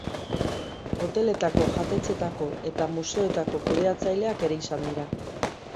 Hoteletako, jatetxeetako eta museoetako kudeatzaileak ere izan dira.